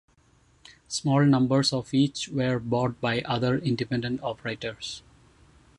Small numbers of each were bought by other independent operators.